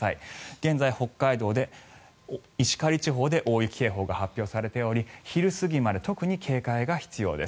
現在、北海道、石狩地方で大雪警報が発表されており昼過ぎまで特に警戒が必要です。